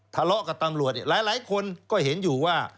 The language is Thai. ทะเลาะกับตำรวจหลายคนก็เห็นอยู่ว่า